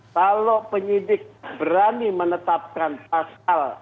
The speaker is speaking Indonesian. kalau penyidik berani menetapkan pasal